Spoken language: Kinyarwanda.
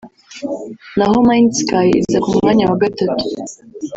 naho MindSky iza ku mwanya wa gatatu